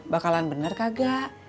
bakalan bener kagak